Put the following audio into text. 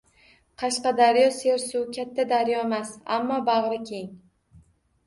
Qashqadaryo sersuv, katta daryomas, ammo bag’ri keng.